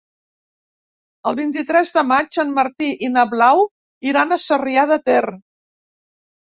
El vint-i-tres de maig en Martí i na Blau iran a Sarrià de Ter.